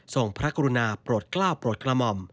พระกรุณาโปรดกล้าวโปรดกระหม่อม